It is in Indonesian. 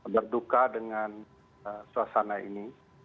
berduka dengan suasana ini